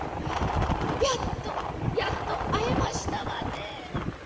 やっとやっと会えましたわね」。